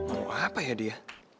mau apa ya dia